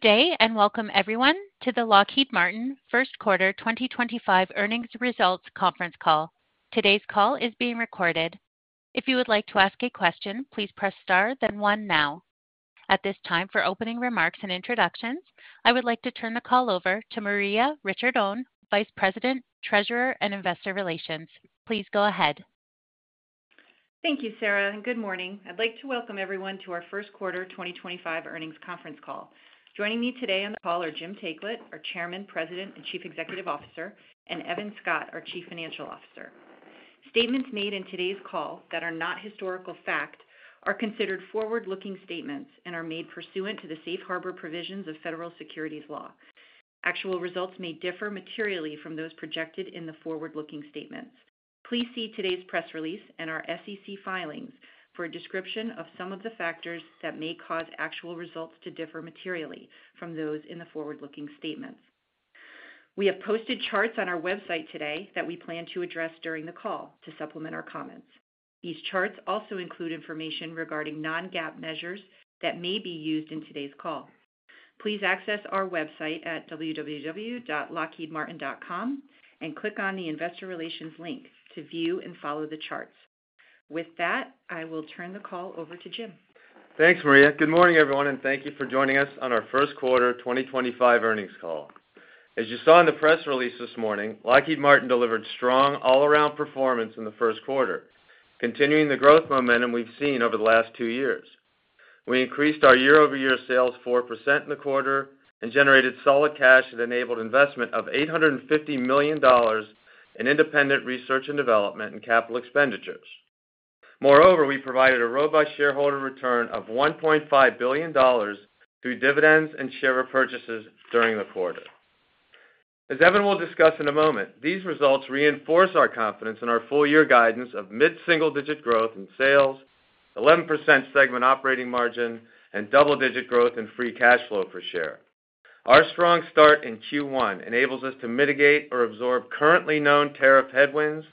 Good day and welcome, everyone, to the Lockheed Martin First Quarter 2025 Earnings Results Conference Call. Today's call is being recorded. If you would like to ask a question, please press star, then one now. At this time, for opening remarks and introductions, I would like to turn the call over to Maria Ricciardone, Vice President, Treasurer and Investor Relations. Please go ahead. Thank you, Sarah, and good morning. I'd like to welcome everyone to our First Quarter 2025 Earnings Conference Call. Joining me today on the call are Jim Taiclet, our Chairman, President, and Chief Executive Officer, and Evan Scott, our Chief Financial Officer. Statements made in today's call that are not historical fact are considered forward-looking statements and are made pursuant to the safe harbor provisions of federal securities law. Actual results may differ materially from those projected in the forward-looking statements. Please see today's press release and our SEC filings for a description of some of the factors that may cause actual results to differ materially from those in the forward-looking statements. We have posted charts on our website today that we plan to address during the call to supplement our comments. These charts also include information regarding non-GAAP measures that may be used in today's call. Please access our website at www.lockheedmartin.com and click on the Investor Relations link to view and follow the charts. With that, I will turn the call over to Jim. Thanks, Maria. Good morning, everyone, and thank you for joining us on our First Quarter 2025 Earnings Call. As you saw in the press release this morning, Lockheed Martin delivered strong all-around performance in the first quarter, continuing the growth momentum we've seen over the last two years. We increased our year-over-year sales 4% in the quarter and generated solid cash that enabled investment of $850 million in independent research and development and capital expenditures. Moreover, we provided a robust shareholder return of $1.5 billion through dividends and share repurchases during the quarter. As Evan will discuss in a moment, these results reinforce our confidence in our full-year guidance of mid-single-digit growth in sales, 11% segment operating margin, and double-digit growth in free cash flow per share. Our strong start in Q1 enables us to mitigate or absorb currently known tariff headwinds,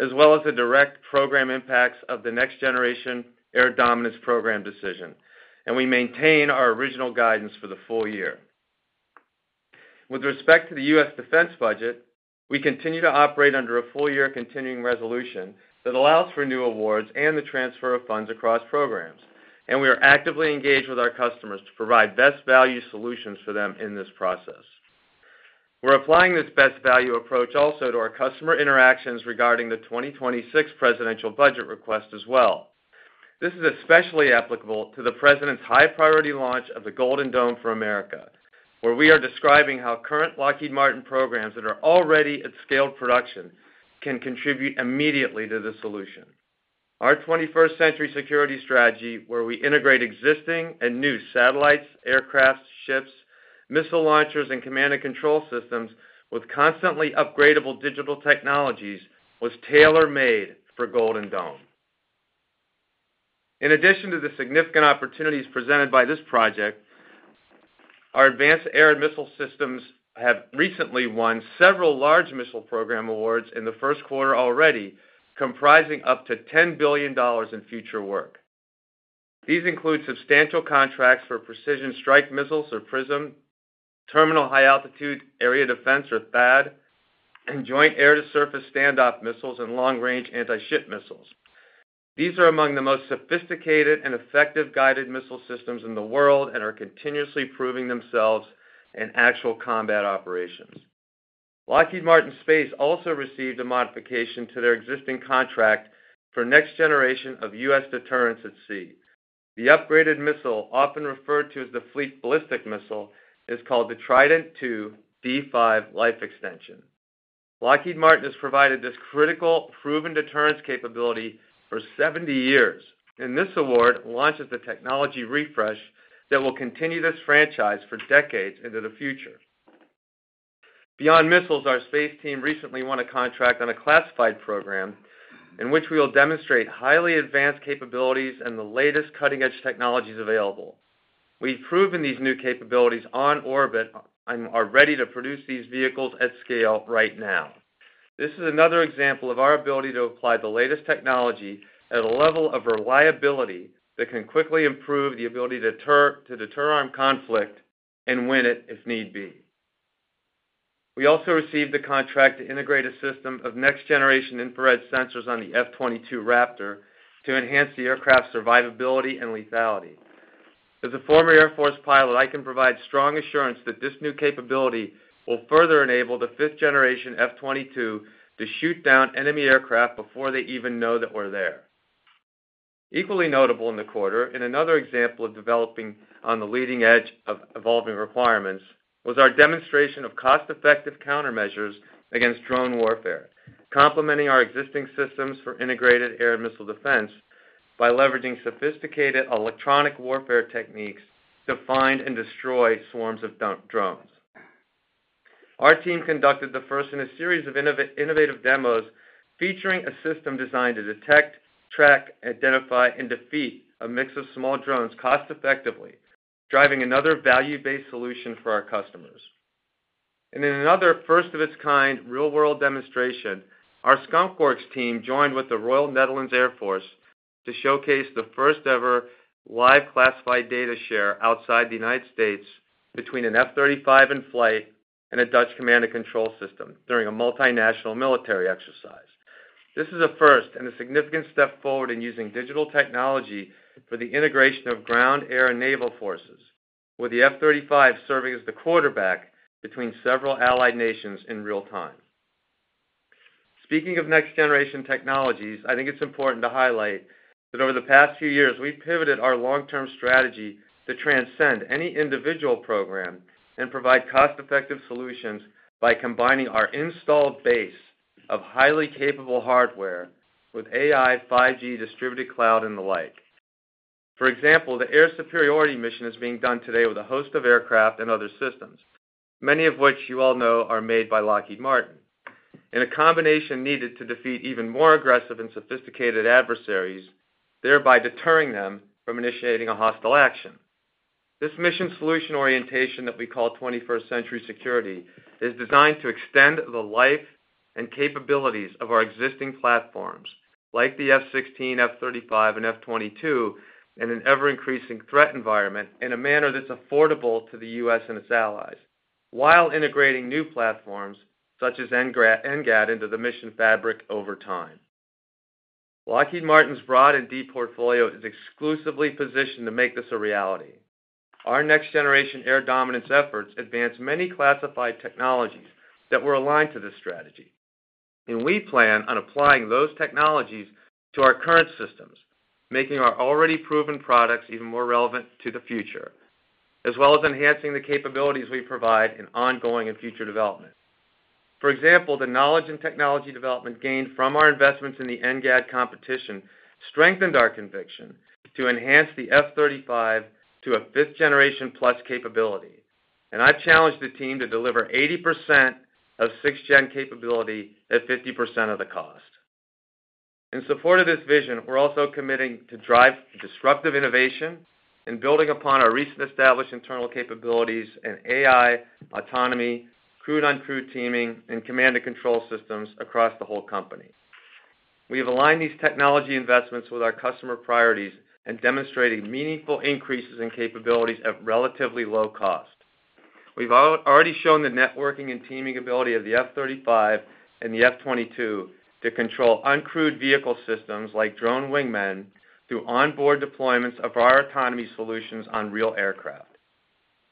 as well as the direct program impacts of the Next Generation Air Dominance Program decision, and we maintain our original guidance for the full year. With respect to the U.S. defense budget, we continue to operate under a full-year continuing resolution that allows for new awards and the transfer of funds across programs, and we are actively engaged with our customers to provide best-value solutions for them in this process. We're applying this best-value approach also to our customer interactions regarding the 2026 presidential budget request as well. This is especially applicable to the President's high-priority launch of the Golden Dome for America, where we are describing how current Lockheed Martin programs that are already at scale production can contribute immediately to the solution. Our 21st-century security strategy, where we integrate existing and new satellites, aircraft, ships, missile launchers, and command and control systems with constantly upgradable digital technologies, was tailor-made for Golden Dome. In addition to the significant opportunities presented by this project, our advanced air and missile systems have recently won several large missile program awards in the first quarter already, comprising up to $10 billion in future work. These include substantial contracts for Precision Strike Missiles or PrSM, Terminal High Altitude Area Defense or THAAD, and Joint Air-to-Surface Standoff Missiles and Long Range Anti-Ship Missiles. These are among the most sophisticated and effective guided missile systems in the world and are continuously proving themselves in actual combat operations. Lockheed Martin Space also received a modification to their existing contract for next generation of U.S. deterrence at sea. The upgraded missile, often referred to as the Fleet Ballistic Missile, is called the Trident II D5 Life Extension. Lockheed Martin has provided this critical proven deterrence capability for 70 years, and this award launches the technology refresh that will continue this franchise for decades into the future. Beyond missiles, our space team recently won a contract on a classified program in which we will demonstrate highly advanced capabilities and the latest cutting-edge technologies available. We've proven these new capabilities on orbit and are ready to produce these vehicles at scale right now. This is another example of our ability to apply the latest technology at a level of reliability that can quickly improve the ability to deter armed conflict and win it if need be. We also received the contract to integrate a system of next-generation infrared sensors on the F-22 Raptor to enhance the aircraft's survivability and lethality. As a former Air Force pilot, I can provide strong assurance that this new capability will further enable the fifth-generation F-22 to shoot down enemy aircraft before they even know that we're there. Equally notable in the quarter, and another example of developing on the leading edge of evolving requirements, was our demonstration of cost-effective countermeasures against drone warfare, complementing our existing systems for integrated air and missile defense by leveraging sophisticated electronic warfare techniques to find and destroy swarms of drones. Our team conducted the first in a series of innovative demos featuring a system designed to detect, track, identify, and defeat a mix of small drones cost-effectively, driving another value-based solution for our customers. In another first-of-its-kind real-world demonstration, our Skunk Works team joined with the Royal Netherlands Air Force to showcase the first-ever live classified data share outside the United States between an F-35 in flight and a Dutch command and control system during a multinational military exercise. This is a first and a significant step forward in using digital technology for the integration of ground, air, and naval forces, with the F-35 serving as the quarterback between several allied nations in real time. Speaking of next-generation technologies, I think it's important to highlight that over the past few years, we've pivoted our long-term strategy to transcend any individual program and provide cost-effective solutions by combining our installed base of highly capable hardware with AI, 5G, distributed cloud, and the like. For example, the Air Superiority Mission is being done today with a host of aircraft and other systems, many of which you all know are made by Lockheed Martin, in a combination needed to defeat even more aggressive and sophisticated adversaries, thereby deterring them from initiating a hostile action. This mission solution orientation that we call 21st-century security is designed to extend the life and capabilities of our existing platforms, like the F-16, F-35, and F-22, in an ever-increasing threat environment in a manner that's affordable to the U.S. and its allies, while integrating new platforms such as NGAD into the mission fabric over time. Lockheed Martin's broad and deep portfolio is exclusively positioned to make this a reality. Our Next Generation Air Dominance efforts advance many classified technologies that were aligned to this strategy, and we plan on applying those technologies to our current systems, making our already proven products even more relevant to the future, as well as enhancing the capabilities we provide in ongoing and future development. For example, the knowledge and technology development gained from our investments in the NGAD competition strengthened our conviction to enhance the F-35 to a fifth-generation plus capability, and I've challenged the team to deliver 80% of sixth-gen capability at 50% of the cost. In support of this vision, we're also committing to drive disruptive innovation and building upon our recently established internal capabilities in AI, autonomy, crewed-on-crew teaming, and command and control systems across the whole company. We have aligned these technology investments with our customer priorities and demonstrated meaningful increases in capabilities at relatively low cost. We've already shown the networking and teaming ability of the F-35 and the F-22 to control uncrewed vehicle systems like drone wingmen through onboard deployments of our autonomy solutions on real aircraft.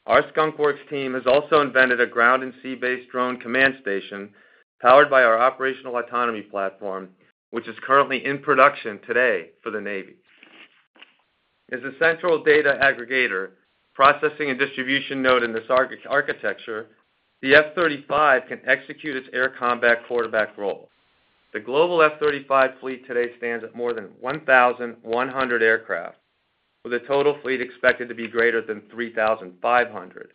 Our Skunk Works team has also invented a ground and sea-based drone command station powered by our operational autonomy platform, which is currently in production today for the Navy. As a central data aggregator, processing, and distribution node in this architecture, the F-35 can execute its air combat quarterback role. The global F-35 fleet today stands at more than 1,100 aircraft, with a total fleet expected to be greater than 3,500,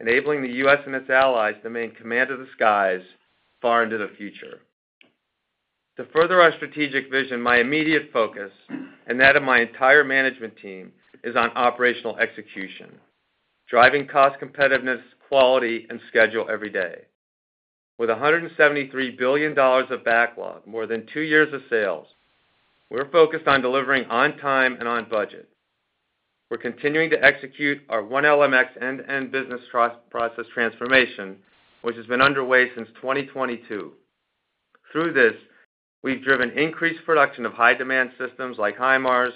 enabling the U.S. and its allies to maintain command of the skies far into the future. To further our strategic vision, my immediate focus, and that of my entire management team, is on operational execution, driving cost competitiveness, quality, and schedule every day. With $173 billion of backlog, more than two years of sales, we're focused on delivering on time and on budget. We're continuing to execute our 1LMX end-to-end business process transformation, which has been underway since 2022. Through this, we've driven increased production of high-demand systems like HIMARS.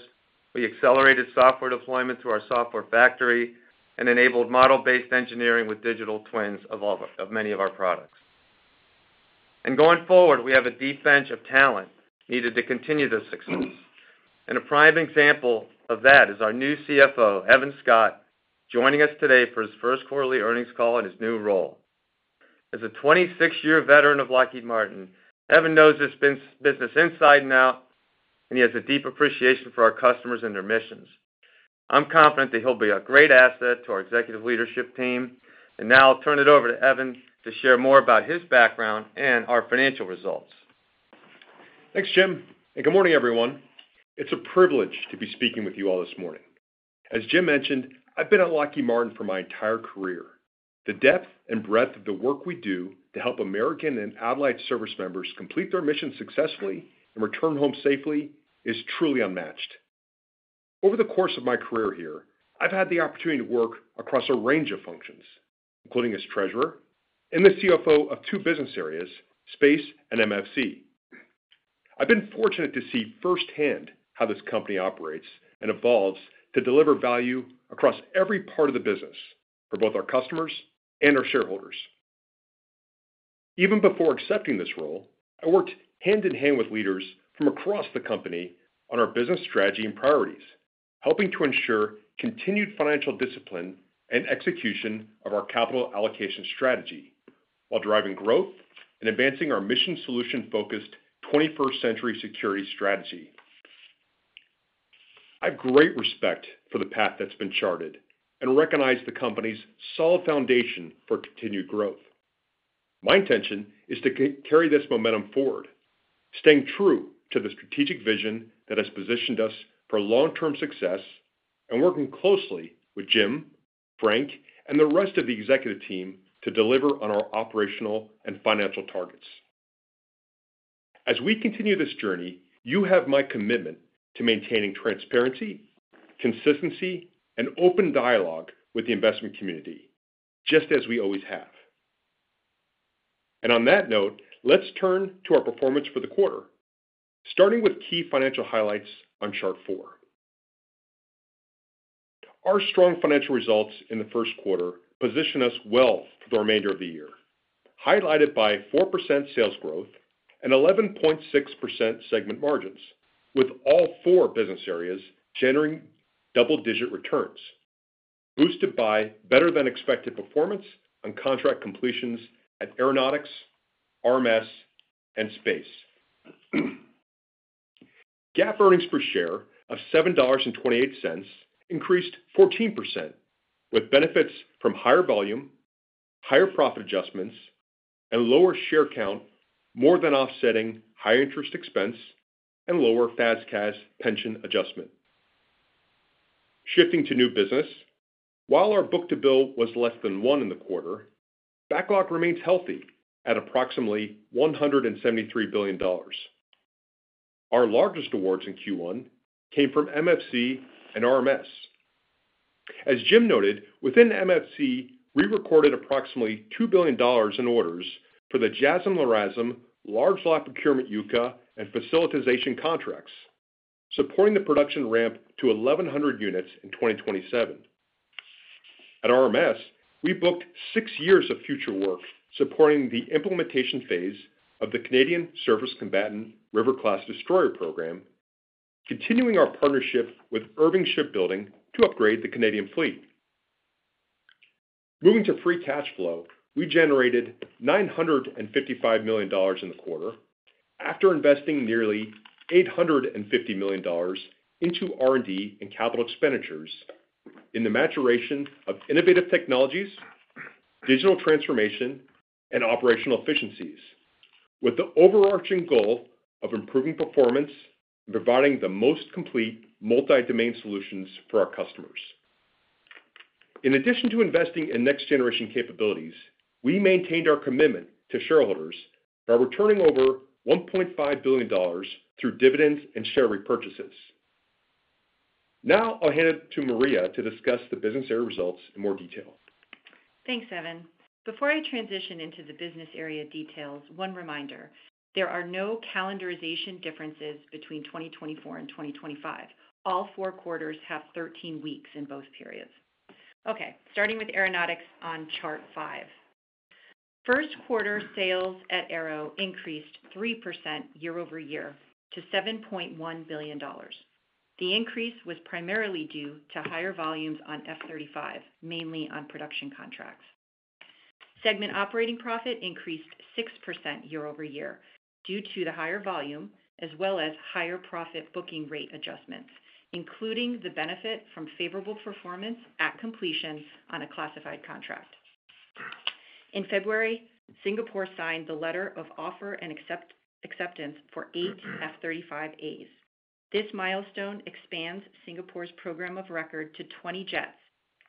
We accelerated software deployment through our software factory and enabled model-based engineering with digital twins of many of our products. Going forward, we have a deep bench of talent needed to continue this success. A prime example of that is our new CFO, Evan Scott, joining us today for his first quarterly earnings call in his new role. As a 26-year veteran of Lockheed Martin, Evan knows his business inside and out, and he has a deep appreciation for our customers and their missions. I'm confident that he'll be a great asset to our executive leadership team, and now I'll turn it over to Evan to share more about his background and our financial results. Thanks, Jim. Good morning, everyone. It's a privilege to be speaking with you all this morning. As Jim mentioned, I've been at Lockheed Martin for my entire career. The depth and breadth of the work we do to help American and allied service members complete their mission successfully and return home safely is truly unmatched. Over the course of my career here, I've had the opportunity to work across a range of functions, including as Treasurer and the CFO of two business areas, Space and MFC. I've been fortunate to see firsthand how this company operates and evolves to deliver value across every part of the business for both our customers and our shareholders. Even before accepting this role, I worked hand in hand with leaders from across the company on our business strategy and priorities, helping to ensure continued financial discipline and execution of our capital allocation strategy while driving growth and advancing our mission solution-focused 21st-century security strategy. I have great respect for the path that has been charted and recognize the company's solid foundation for continued growth. My intention is to carry this momentum forward, staying true to the strategic vision that has positioned us for long-term success and working closely with Jim, Frank, and the rest of the executive team to deliver on our operational and financial targets. As we continue this journey, you have my commitment to maintaining transparency, consistency, and open dialogue with the investment community, just as we always have. On that note, let's turn to our performance for the quarter, starting with key financial highlights on chart four. Our strong financial results in the first quarter position us well for the remainder of the year, highlighted by 4% sales growth and 11.6% segment margins, with all four business areas generating double-digit returns, boosted by better-than-expected performance on contract completions at aeronautics, RMS, and space. GAAP earnings per share of $7.28 increased 14%, with benefits from higher volume, higher profit adjustments, and lower share count more than offsetting higher interest expense and lower FAS/CAS pension adjustment. Shifting to new business, while our book to bill was less than one in the quarter, backlog remains healthy at approximately $173 billion. Our largest awards in Q1 came from MFC and RMS. As Jim noted, within MFC, we recorded approximately $2 billion in orders for the JASSM-LRASM large-load procurement UCA and facilitation contracts, supporting the production ramp to 1,100 units in 2027. At RMS, we booked six years of future work supporting the implementation phase of the Canadian Surface Combatant River-class Destroyer Program, continuing our partnership with Irving Shipbuilding to upgrade the Canadian fleet. Moving to free cash flow, we generated $955 million in the quarter after investing nearly $850 million into R&D and capital expenditures in the maturation of innovative technologies, digital transformation, and operational efficiencies, with the overarching goal of improving performance and providing the most complete multi-domain solutions for our customers. In addition to investing in next-generation capabilities, we maintained our commitment to shareholders by returning over $1.5 billion through dividends and share repurchases. Now I'll hand it to Maria to discuss the business area results in more detail. Thanks, Evan. Before I transition into the business area details, one reminder: there are no calendarization differences between 2024 and 2025. All four quarters have 13 weeks in both periods. Okay, starting with aeronautics on chart five. First quarter sales at Aero increased 3% year over year to $7.1 billion. The increase was primarily due to higher volumes on F-35, mainly on production contracts. Segment operating profit increased 6% year over year due to the higher volume, as well as higher profit booking rate adjustments, including the benefit from favorable performance at completion on a classified contract. In February, Singapore signed the letter of offer and acceptance for eight F-35As. This milestone expands Singapore's program of record to 20 jets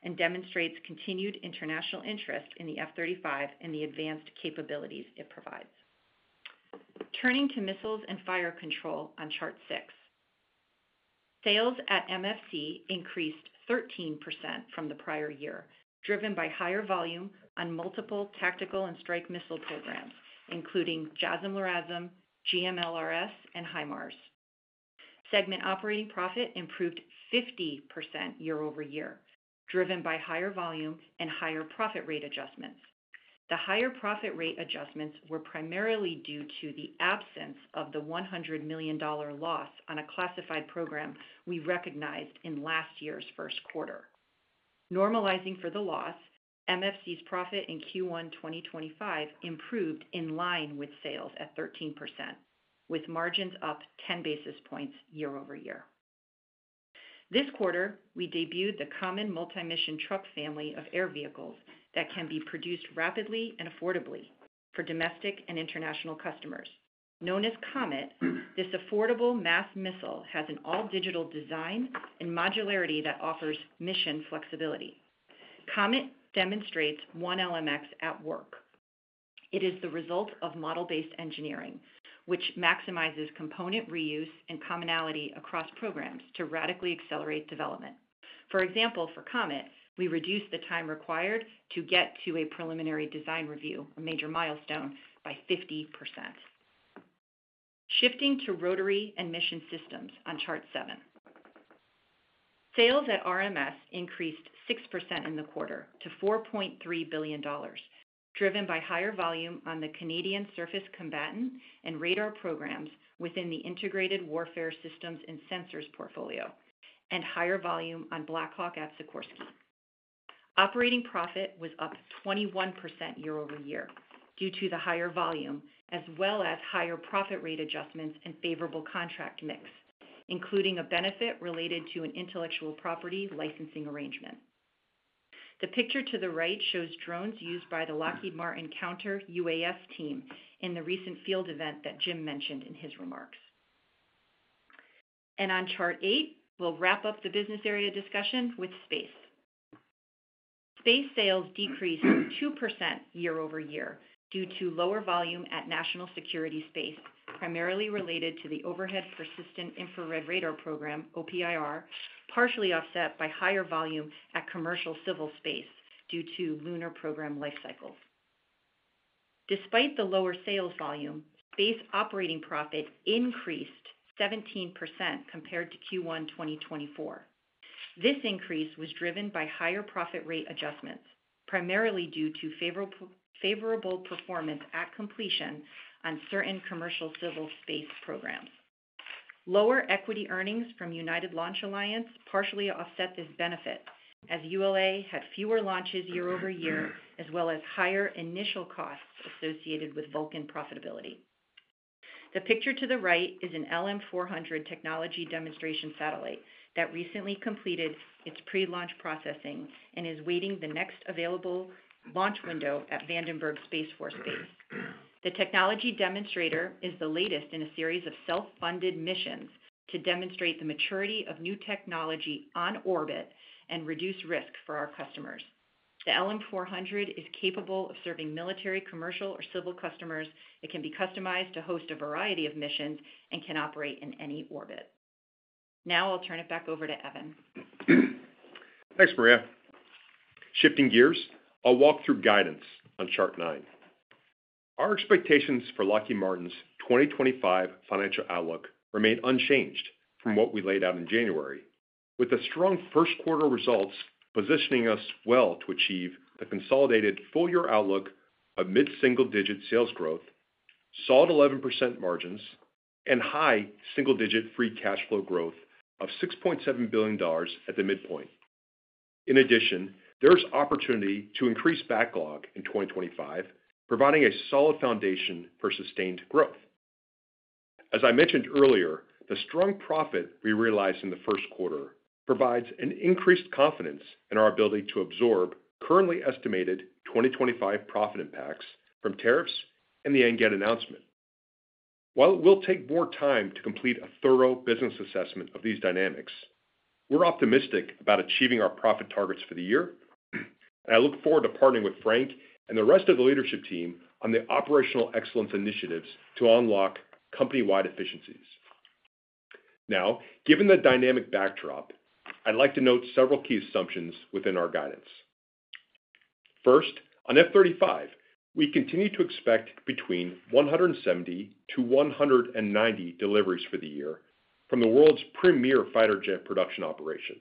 and demonstrates continued international interest in the F-35 and the advanced capabilities it provides. Turning to missiles and fire control on chart six, sales at MFC increased 13% from the prior year, driven by higher volume on multiple tactical and strike missile programs, including JASSM-LRASM, GMLRS, and HIMARS. Segment operating profit improved 50% year over year, driven by higher volume and higher profit rate adjustments. The higher profit rate adjustments were primarily due to the absence of the $100 million loss on a classified program we recognized in last year's first quarter. Normalizing for the loss, MFC's profit in Q1 2025 improved in line with sales at 13%, with margins up 10 basis points year over year. This quarter, we debuted the Common Multi-Mission Truck family of air vehicles that can be produced rapidly and affordably for domestic and international customers. Known as CMMT, this affordable mass missile has an all-digital design and modularity that offers mission flexibility. CMMT demonstrates 1LMX at work. It is the result of model-based engineering, which maximizes component reuse and commonality across programs to radically accelerate development. For example, for CMMT, we reduced the time required to get to a preliminary design review, a major milestone, by 50%. Shifting to rotary and mission systems on chart seven. Sales at RMS increased 6% in the quarter to $4.3 billion, driven by higher volume on the Canadian Surface Combatant and Radar Programs within the integrated warfare systems and sensors portfolio and higher volume on Blackhawk at Sikorsky. Operating profit was up 21% year over year due to the higher volume, as well as higher profit rate adjustments and favorable contract mix, including a benefit related to an intellectual property licensing arrangement. The picture to the right shows drones used by the Lockheed Martin Counter UAS team in the recent field event that Jim mentioned in his remarks. On chart eight, we'll wrap up the business area discussion with space. Space sales decreased 2% year over year due to lower volume at National Security Space, primarily related to the Overhead Persistent Infrared Radar Program, OPIR, partially offset by higher volume at commercial civil space due to lunar program life cycles. Despite the lower sales volume, space operating profit increased 17% compared to Q1 2024. This increase was driven by higher profit rate adjustments, primarily due to favorable performance at completion on certain commercial civil space programs. Lower equity earnings from United Launch Alliance partially offset this benefit, as ULA had fewer launches year over year, as well as higher initial costs associated with Vulcan profitability. The picture to the right is an LM 400 technology demonstration satellite that recently completed its pre-launch processing and is waiting for the next available launch window at Vandenberg Space Force Base. The technology demonstrator is the latest in a series of self-funded missions to demonstrate the maturity of new technology on orbit and reduce risk for our customers. The LM 400 is capable of serving military, commercial, or civil customers. It can be customized to host a variety of missions and can operate in any orbit. Now I'll turn it back over to Evan. Thanks, Maria. Shifting gears, I'll walk through guidance on chart nine. Our expectations for Lockheed Martin's 2025 financial outlook remain unchanged from what we laid out in January, with the strong first quarter results positioning us well to achieve the consolidated full-year outlook of mid-single-digit sales growth, solid 11% margins, and high single-digit free cash flow growth of $6.7 billion at the midpoint. In addition, there's opportunity to increase backlog in 2025, providing a solid foundation for sustained growth. As I mentioned earlier, the strong profit we realized in the first quarter provides an increased confidence in our ability to absorb currently estimated 2025 profit impacts from tariffs and the NGAD announcement. While it will take more time to complete a thorough business assessment of these dynamics, we're optimistic about achieving our profit targets for the year, and I look forward to partnering with Frank and the rest of the leadership team on the operational excellence initiatives to unlock company-wide efficiencies. Now, given the dynamic backdrop, I'd like to note several key assumptions within our guidance. First, on F-35, we continue to expect between 170-190 deliveries for the year from the world's premier fighter jet production operation,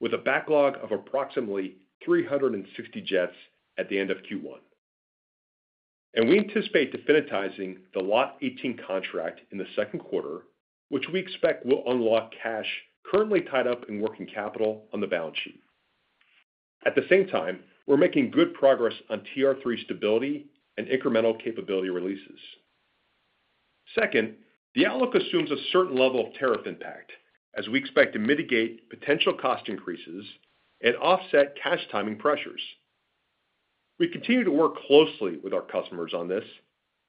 with a backlog of approximately 360 jets at the end of Q1. We anticipate definitizing the Lot 18 contract in the second quarter, which we expect will unlock cash currently tied up in working capital on the balance sheet. At the same time, we're making good progress on TR-3 stability and incremental capability releases. Second, the outlook assumes a certain level of tariff impact, as we expect to mitigate potential cost increases and offset cash timing pressures. We continue to work closely with our customers on this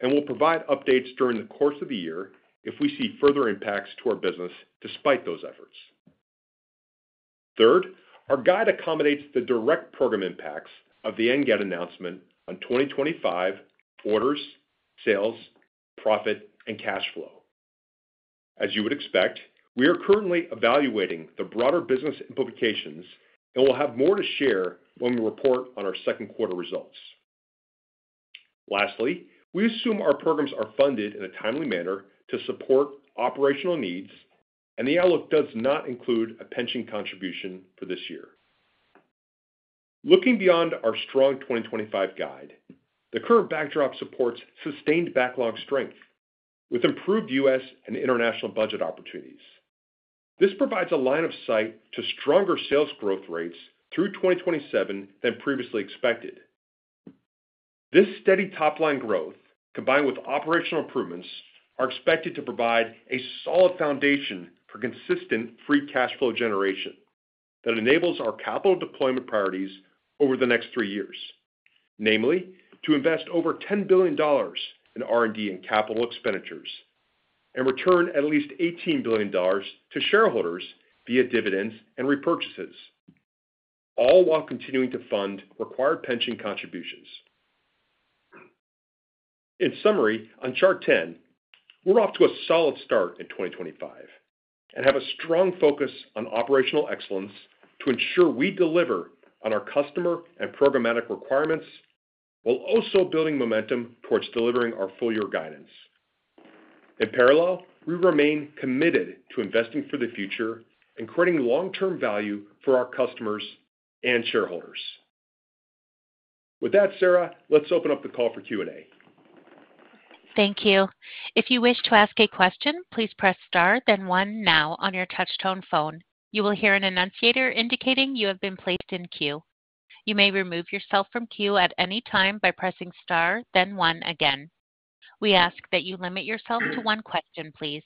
and will provide updates during the course of the year if we see further impacts to our business despite those efforts. Third, our guide accommodates the direct program impacts of the NGAD announcement on 2025 orders, sales, profit, and cash flow. As you would expect, we are currently evaluating the broader business implications and will have more to share when we report on our second quarter results. Lastly, we assume our programs are funded in a timely manner to support operational needs, and the outlook does not include a pension contribution for this year. Looking beyond our strong 2025 guide, the current backdrop supports sustained backlog strength with improved U.S. and international budget opportunities. This provides a line of sight to stronger sales growth rates through 2027 than previously expected. This steady top-line growth, combined with operational improvements, is expected to provide a solid foundation for consistent free cash flow generation that enables our capital deployment priorities over the next three years, namely to invest over $10 billion in R&D and capital expenditures and return at least $18 billion to shareholders via dividends and repurchases, all while continuing to fund required pension contributions. In summary, on chart 10, we're off to a solid start in 2025 and have a strong focus on operational excellence to ensure we deliver on our customer and programmatic requirements while also building momentum towards delivering our full-year guidance. In parallel, we remain committed to investing for the future and creating long-term value for our customers and shareholders. With that, Sarah, let's open up the call for Q&A. Thank you. If you wish to ask a question, please press star, then one now on your touch-tone phone. You will hear an annunciator indicating you have been placed in queue. You may remove yourself from queue at any time by pressing star, then one again. We ask that you limit yourself to one question, please.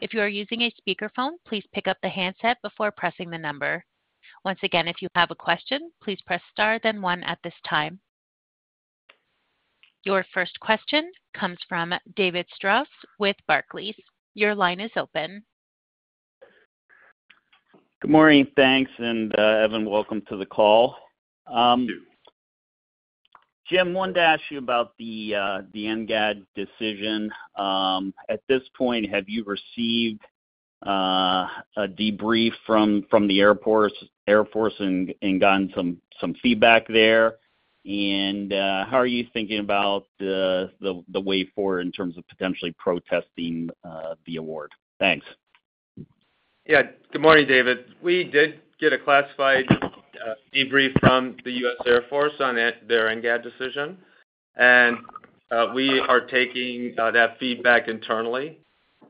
If you are using a speakerphone, please pick up the handset before pressing the number. Once again, if you have a question, please press star, then one at this time. Your first question comes from David Strauss with Barclays. Your line is open. Good morning. Thanks. Evan, welcome to the call. Thank you. Jim, wanted to ask you about the NGAD decision. At this point, have you received a debrief from the Air Force and gotten some feedback there? How are you thinking about the way forward in terms of potentially protesting the award? Thanks. Yeah. Good morning, David. We did get a classified debrief from the U.S. Air Force on their NGAD decision. We are taking that feedback internally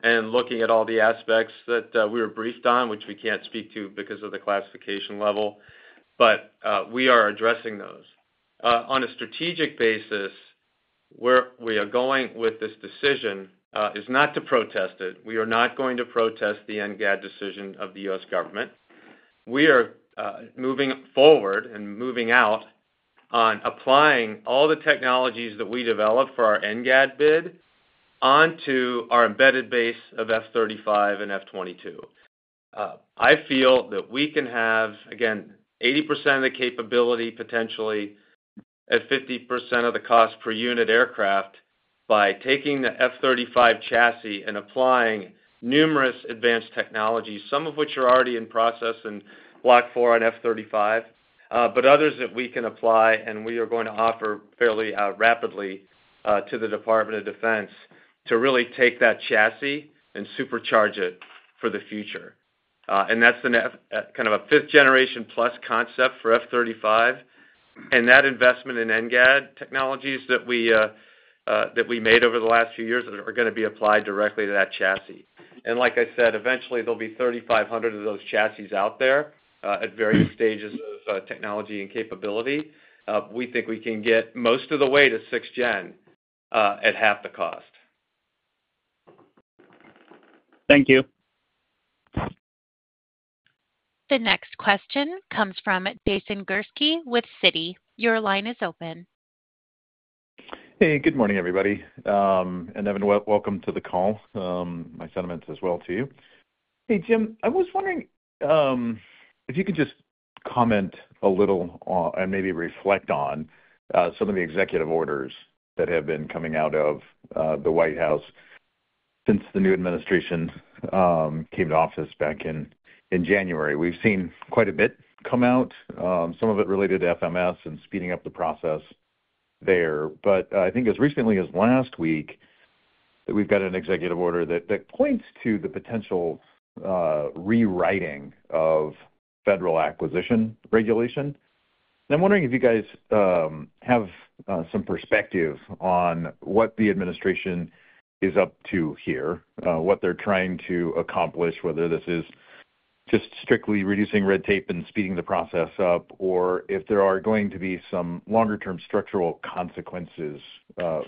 and looking at all the aspects that we were briefed on, which we can't speak to because of the classification level. We are addressing those. On a strategic basis, where we are going with this decision is not to protest it. We are not going to protest the NGAD decision of the U.S. government. We are moving forward and moving out on applying all the technologies that we developed for our NGAD bid onto our embedded base of F-35 and F-22. I feel that we can have, again, 80% of the capability potentially at 50% of the cost per unit aircraft by taking the F-35 chassis and applying numerous advanced technologies, some of which are already in process in Block Four on F-35, but others that we can apply. We are going to offer fairly rapidly to the Department of Defense to really take that chassis and supercharge it for the future. That is kind of a 5th-generation plus concept for F-35. That investment in NGAD technologies that we made over the last few years are going to be applied directly to that chassis. Like I said, eventually, there will be 3,500 of those chassis out there at various stages of technology and capability. We think we can get most of the way to 6th-gen at half the cost. Thank you. The next question comes from Jason Gursky with Citi. Your line is open. Hey, good morning, everybody. Evan, welcome to the call. My sentiments as well to you. Hey, Jim, I was wondering if you could just comment a little and maybe reflect on some of the executive orders that have been coming out of the White House since the new administration came to office back in January. We've seen quite a bit come out, some of it related to FMS and speeding up the process there. I think as recently as last week, we've got an executive order that points to the potential rewriting of federal acquisition regulation. I'm wondering if you guys have some perspective on what the administration is up to here, what they're trying to accomplish, whether this is just strictly reducing red tape and speeding the process up, or if there are going to be some longer-term structural consequences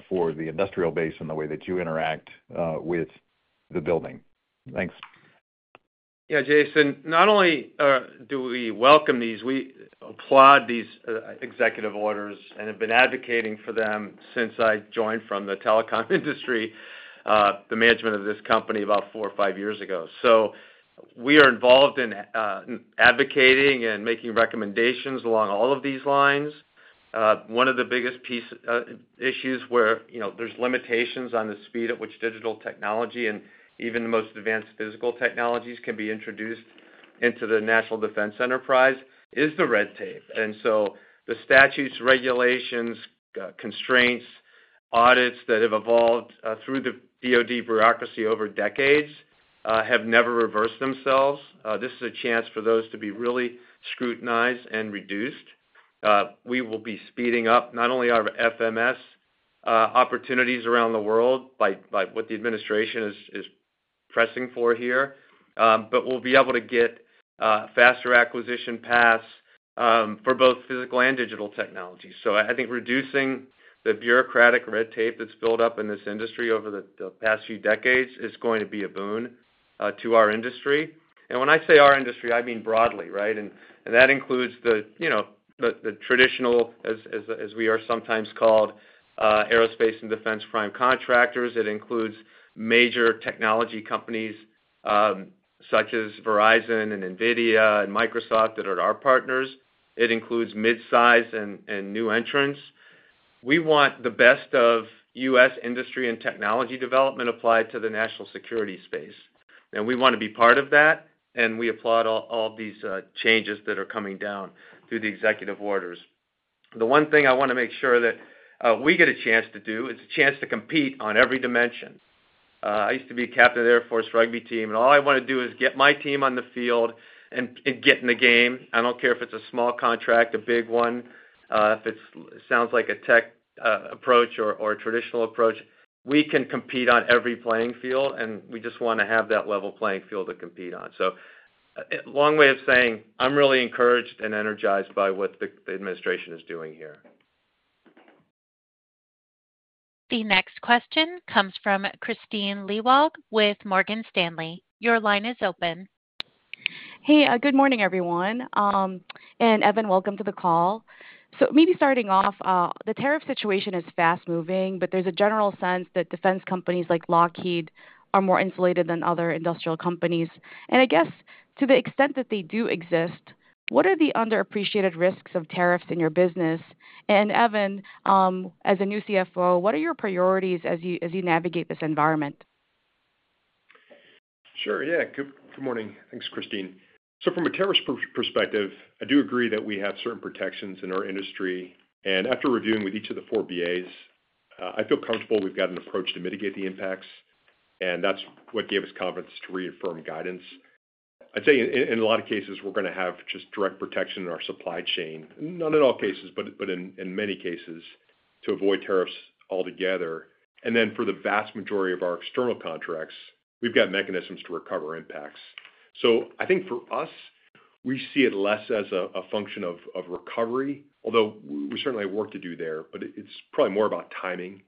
for the industrial base and the way that you interact with the building. Thanks. Yeah, Jason, not only do we welcome these, we applaud these executive orders and have been advocating for them since I joined from the telecom industry, the management of this company about four or five years ago. We are involved in advocating and making recommendations along all of these lines. One of the biggest issues where there's limitations on the speed at which digital technology and even the most advanced physical technologies can be introduced into the national defense enterprise is the red tape. The statutes, regulations, constraints, audits that have evolved through the DoD bureaucracy over decades have never reversed themselves. This is a chance for those to be really scrutinized and reduced. We will be speeding up not only our FMS opportunities around the world by what the administration is pressing for here, but we'll be able to get faster acquisition paths for both physical and digital technologies. I think reducing the bureaucratic red tape that's built up in this industry over the past few decades is going to be a boon to our industry. When I say our industry, I mean broadly, right? That includes the traditional, as we are sometimes called, aerospace and defense prime contractors. It includes major technology companies such as Verizon and NVIDIA and Microsoft that are our partners. It includes mid-size and new entrants. We want the best of U.S. industry and technology development applied to the National Security Space. We want to be part of that. We applaud all of these changes that are coming down through the executive orders. The one thing I want to make sure that we get a chance to do is a chance to compete on every dimension. I used to be captain of the Air Force rugby team. All I want to do is get my team on the field and get in the game. I do not care if it is a small contract, a big one, if it sounds like a tech approach or a traditional approach. We can compete on every playing field. We just want to have that level playing field to compete on. Long way of saying, I am really encouraged and energized by what the administration is doing here. The next question comes from Kristine Liwag with Morgan Stanley. Your line is open. Hey, good morning, everyone. Evan, welcome to the call. Maybe starting off, the tariff situation is fast-moving, but there's a general sense that defense companies like Lockheed Martin are more insulated than other industrial companies. I guess to the extent that they do exist, what are the underappreciated risks of tariffs in your business? Evan, as a new CFO, what are your priorities as you navigate this environment? Sure. Yeah. Good morning. Thanks, Kristine. From a tariff perspective, I do agree that we have certain protections in our industry. After reviewing with each of the four BAs, I feel comfortable we've got an approach to mitigate the impacts. That is what gave us confidence to reaffirm guidance. I'd say in a lot of cases, we're going to have just direct protection in our supply chain. Not in all cases, but in many cases to avoid tariffs altogether. For the vast majority of our external contracts, we've got mechanisms to recover impacts. I think for us, we see it less as a function of recovery, although we certainly have work to do there, but it's probably more about timing.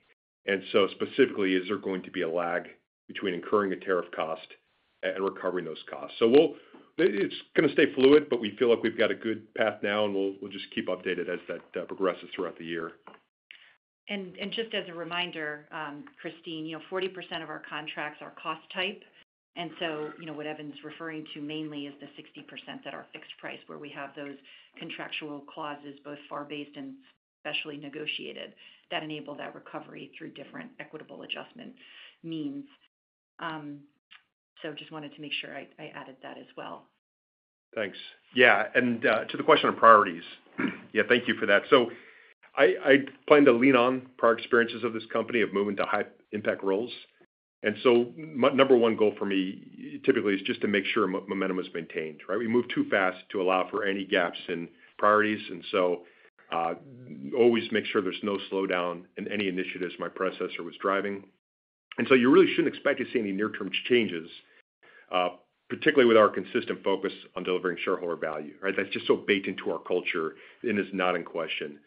Specifically, is there going to be a lag between incurring a tariff cost and recovering those costs? It's going to stay fluid, but we feel like we've got a good path now, and we'll just keep updated as that progresses throughout the year. Just as a reminder, Kristine, 40% of our contracts are cost-type. What Evan's referring to mainly is the 60% that are fixed price where we have those contractual clauses, both FAR-based and specially negotiated, that enable that recovery through different equitable adjustment means. I just wanted to make sure I added that as well. Thanks. Yeah. To the question on priorities, yeah, thank you for that. I plan to lean on prior experiences of this company of moving to high-impact roles. Number one goal for me typically is just to make sure momentum is maintained, right? We move too fast to allow for any gaps in priorities. Always make sure there's no slowdown in any initiatives my predecessor was driving. You really shouldn't expect to see any near-term changes, particularly with our consistent focus on delivering shareholder value, right? That's just so baked into our culture and is not in question.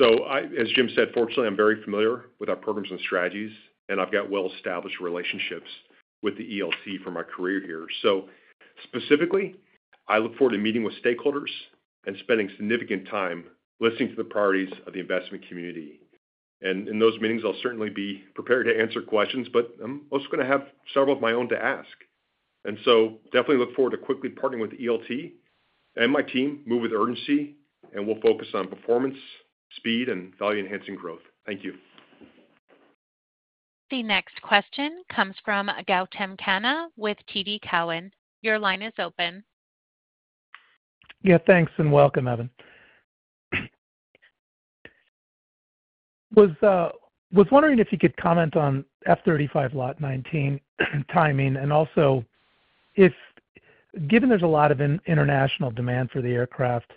As Jim said, fortunately, I'm very familiar with our programs and strategies, and I've got well-established relationships with the ELT from my career here. Specifically, I look forward to meeting with stakeholders and spending significant time listening to the priorities of the investment community. In those meetings, I'll certainly be prepared to answer questions, but I'm also going to have several of my own to ask. I definitely look forward to quickly partnering with the ELT and my team, move with urgency, and we'll focus on performance, speed, and value-enhancing growth. Thank you. The next question comes from Gautam Khanna with TD Cowen. Your line is open. Yeah, thanks and welcome, Evan. Was wondering if you could comment on F-35 Lot 19 timing and also if, given there's a lot of international demand for the aircraft,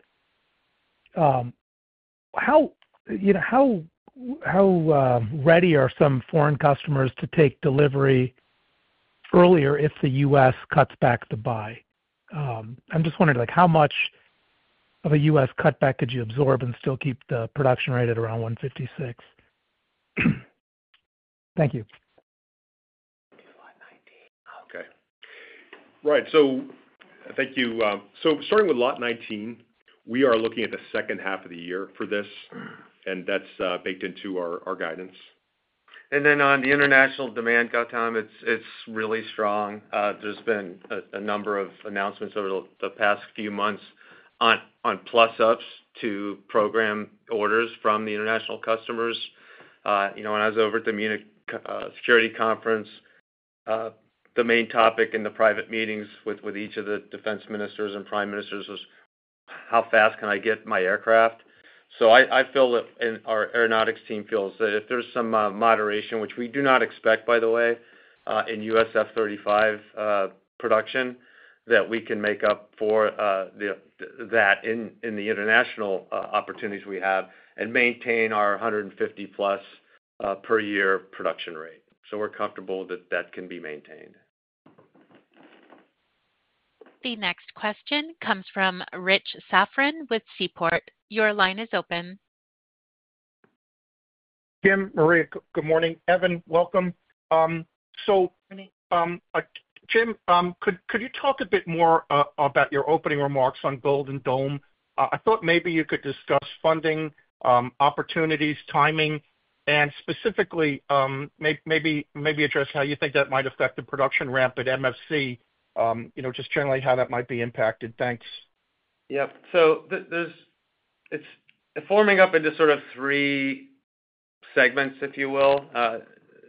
how ready are some foreign customers to take delivery earlier if the U.S. cuts back the buy? I'm just wondering how much of a U.S. cutback could you absorb and still keep the production rate at around 156 per year? Thank you. Okay. Right. Thank you. Starting with Lot 19, we are looking at the second half of the year for this, and that's baked into our guidance. On the international demand, Gautam, it is really strong. There have been a number of announcements over the past few months on plus-ups to program orders from international customers. When I was over at the Munich Security Conference, the main topic in the private meetings with each of the defense ministers and prime ministers was, "How fast can I get my aircraft?" I feel that our aeronautics team feels that if there is some moderation, which we do not expect, by the way, in U.S. F-35 production, we can make up for that in the international opportunities we have and maintain our 150-plus per year production rate. We are comfortable that that can be maintained. The next question comes from Rich Safran with Seaport. Your line is open. Jim, Maria, good morning. Evan, welcome. Jim, could you talk a bit more about your opening remarks on Golden Dome? I thought maybe you could discuss funding opportunities, timing, and specifically maybe address how you think that might affect the production ramp at MFC, just generally how that might be impacted. Thanks. Yep. It's forming up into sort of three segments, if you will.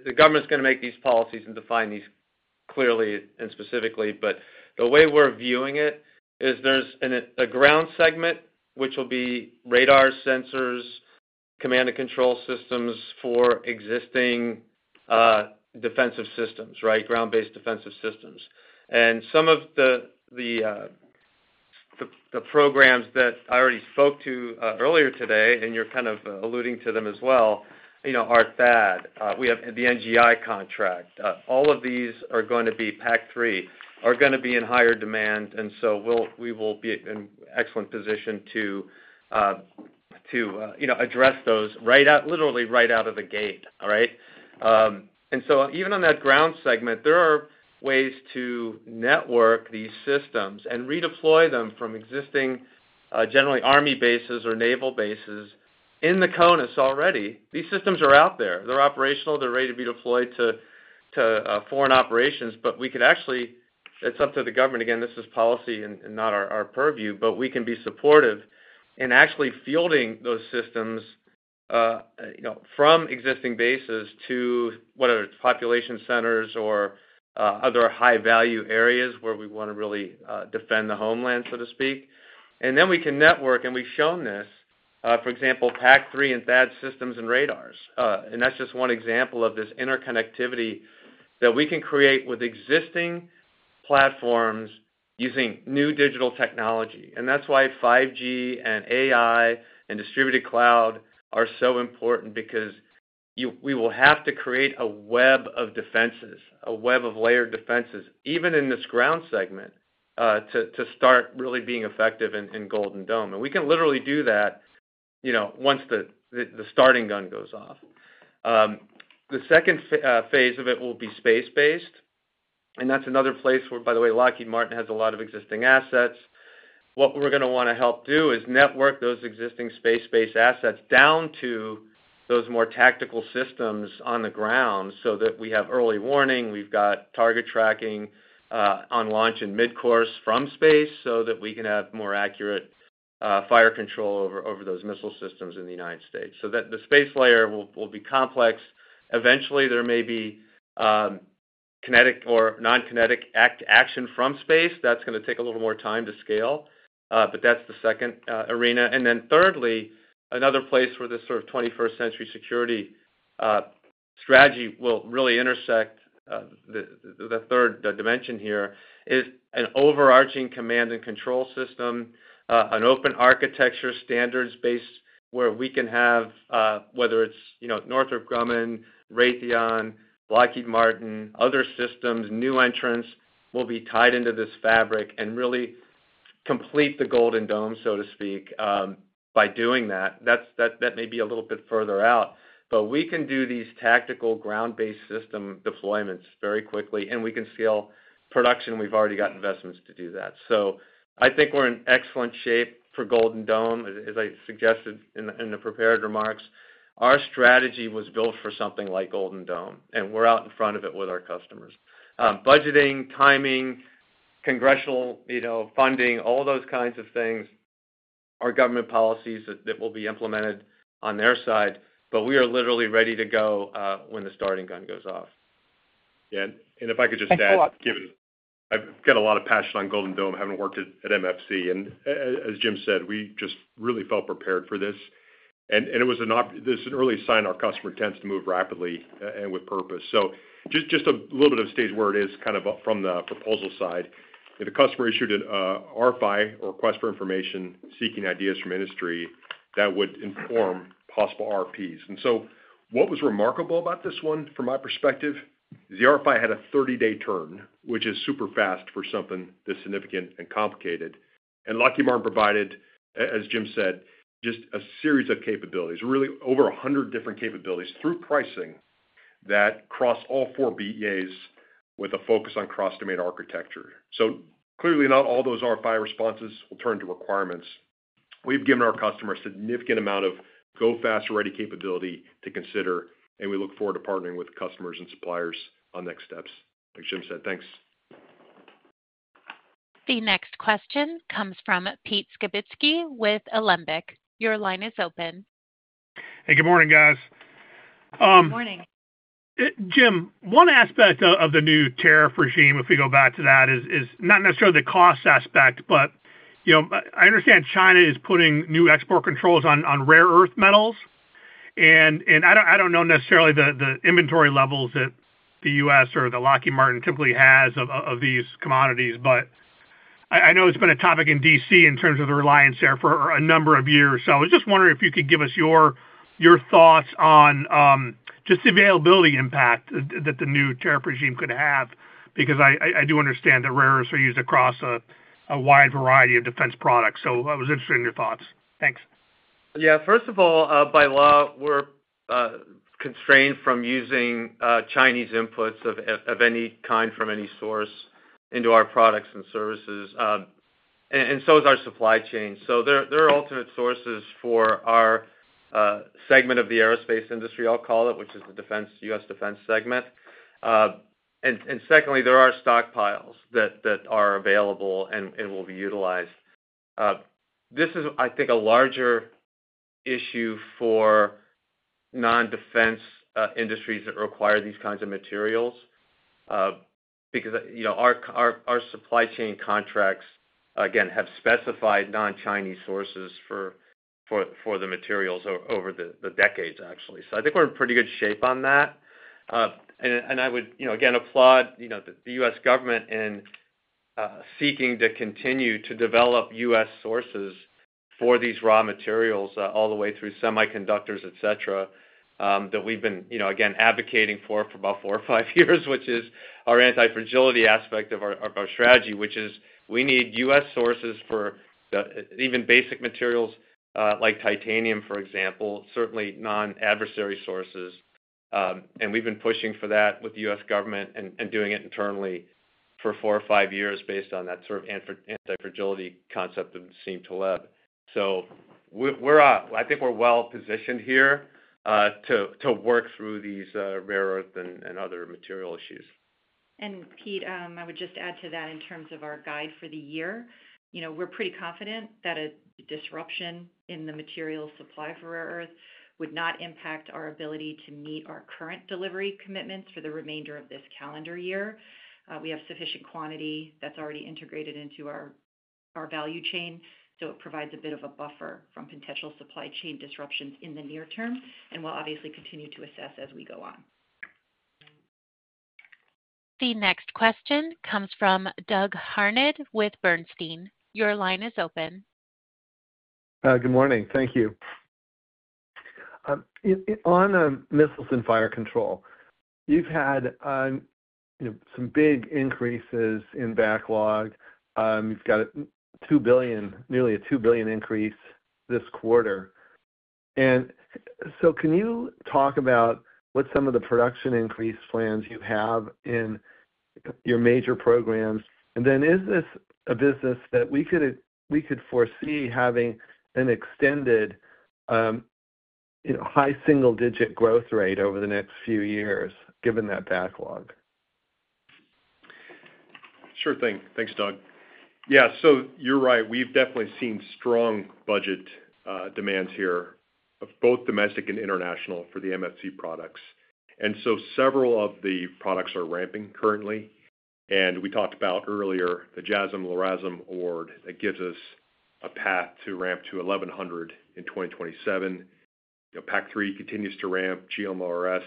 The government's going to make these policies and define these clearly and specifically. The way we're viewing it is there's a ground segment, which will be radar sensors, command and control systems for existing defensive systems, right? Ground-based defensive systems. Some of the programs that I already spoke to earlier today, and you're kind of alluding to them as well, are THAAD. We have the NGI contract. All of these are going to be PAC-3, are going to be in higher demand. We will be in an excellent position to address those literally right out of the gate, all right? Even on that ground segment, there are ways to network these systems and redeploy them from existing generally army bases or naval bases in the CONUS already. These systems are out there. They're operational. They're ready to be deployed to foreign operations. We could actually—it's up to the government. Again, this is policy and not our purview—but we can be supportive in actually fielding those systems from existing bases to whether it's population centers or other high-value areas where we want to really defend the homeland, so to speak. We can network, and we've shown this. For example, PAC-3 and THAAD systems and radars. That's just one example of this interconnectivity that we can create with existing platforms using new digital technology. That's why 5G and AI and distributed cloud are so important because we will have to create a web of defenses, a web of layered defenses, even in this ground segment to start really being effective in Golden Dome. We can literally do that once the starting gun goes off. The second phase of it will be space-based. That is another place where, by the way, Lockheed Martin has a lot of existing assets. What we are going to want to help do is network those existing space-based assets down to those more tactical systems on the ground so that we have early warning. We have got target tracking on launch and mid-course from space so that we can have more accurate fire control over those missile systems in the United States. The space layer will be complex. Eventually, there may be kinetic or non-kinetic action from space. That is going to take a little more time to scale. That is the second arena. Thirdly, another place where this sort of 21st-century security strategy will really intersect the third dimension here is an overarching command and control system, an open architecture standards-based where we can have, whether it's Northrop Grumman, Raytheon, Lockheed Martin, other systems, new entrants will be tied into this fabric and really complete the Golden Dome, so to speak, by doing that. That may be a little bit further out. We can do these tactical ground-based system deployments very quickly, and we can scale production. We've already got investments to do that. I think we're in excellent shape for Golden Dome, as I suggested in the prepared remarks. Our strategy was built for something like Golden Dome, and we're out in front of it with our customers. Budgeting, timing, congressional funding, all those kinds of things are government policies that will be implemented on their side. We are literally ready to go when the starting gun goes off. Yeah. If I could just add, given I've got a lot of passion on Golden Dome, having worked at MFC. As Jim said, we just really felt prepared for this. It was an early sign our customer tends to move rapidly and with purpose. Just a little bit of a stage where it is kind of from the proposal side. The customer issued an RFI or Request For Information seeking ideas from industry that would inform possible RFPs. What was remarkable about this one, from my perspective, is the RFI had a 30-day turn, which is super fast for something this significant and complicated. Lockheed Martin provided, as Jim said, just a series of capabilities, really over 100 different capabilities through pricing that cross all four BAs with a focus on cross-domain architecture. Clearly, not all those RFI responses will turn to requirements. We've given our customers a significant amount of go-fast-ready capability to consider, and we look forward to partnering with customers and suppliers on next steps, like Jim said. Thanks. The next question comes from Pete Skibitski with Alembic. Your line is open. Hey, good morning, guys. Good morning. Jim, one aspect of the new tariff regime, if we go back to that, is not necessarily the cost aspect, but I understand China is putting new export controls on rare earth metals. I do not know necessarily the inventory levels that the U.S. or Lockheed Martin typically has of these commodities, but I know it has been a topic in D.C. in terms of the reliance there for a number of years. I was just wondering if you could give us your thoughts on just the availability impact that the new tariff regime could have because I do understand that rare earths are used across a wide variety of defense products. I was interested in your thoughts. Thanks. Yeah. First of all, by law, we're constrained from using Chinese inputs of any kind from any source into our products and services. And so is our supply chain. There are alternate sources for our segment of the aerospace industry, I'll call it, which is the U.S. defense segment. Secondly, there are stockpiles that are available and will be utilized. This is, I think, a larger issue for non-defense industries that require these kinds of materials because our supply chain contracts, again, have specified non-Chinese sources for the materials over the decades, actually. I think we're in pretty good shape on that. I would, again, applaud the U.S. government in seeking to continue to develop U.S. sources for these raw materials all the way through semiconductors, etc., that we've been, again, advocating for for about four or five years, which is our anti-fragility aspect of our strategy, which is we need U.S. sources for even basic materials like titanium, for example, certainly non-adversary sources. We've been pushing for that with the U.S. government and doing it internally for four or five years based on that sort of anti-fragility concept that we seem to live. I think we're well-positioned here to work through these rare earth and other material issues. Pete, I would just add to that in terms of our guide for the year. We're pretty confident that a disruption in the material supply for rare earth would not impact our ability to meet our current delivery commitments for the remainder of this calendar year. We have sufficient quantity that's already integrated into our value chain, so it provides a bit of a buffer from potential supply chain disruptions in the near term. We'll obviously continue to assess as we go on. The next question comes from Doug Harned with Bernstein. Your line is open. Good morning. Thank you. On missiles and fire control, you've had some big increases in backlog. You've got nearly a $2 billion increase this quarter. Can you talk about what some of the production increase plans you have in your major programs? Is this a business that we could foresee having an extended high single-digit growth rate over the next few years, given that backlog? Sure thing. Thanks, Doug. Yeah. You're right. We've definitely seen strong budget demands here of both domestic and international for the MFC products. Several of the products are ramping currently. We talked about earlier the JASSM-LRASM award that gives us a path to ramp to 1,100 in 2027. PAC-3 continues to ramp, GMLRS.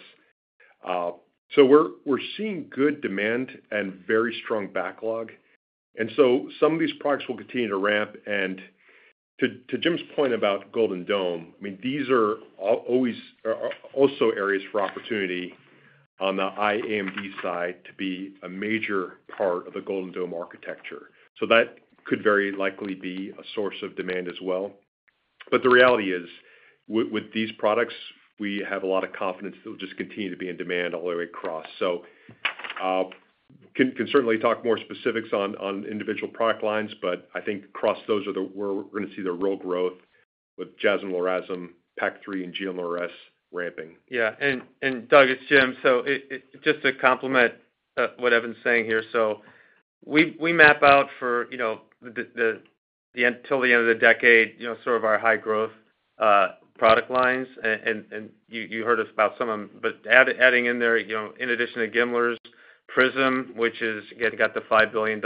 We're seeing good demand and very strong backlog. Some of these products will continue to ramp. To Jim's point about Golden Dome, I mean, these are also areas for opportunity on the IAMD side to be a major part of the Golden Dome architecture. That could very likely be a source of demand as well. The reality is, with these products, we have a lot of confidence that will just continue to be in demand all the way across. I can certainly talk more specifics on individual product lines, but I think across those are where we're going to see the real growth with JASSM, LRASM, PAC-3, and GMLRS ramping. Yeah. Doug, it's Jim. Just to complement what Evan's saying here, we map out for until the end of the decade sort of our high-growth product lines. You heard us about some of them. Adding in there, in addition to GMLRS, PrSM, which has got the $5 billion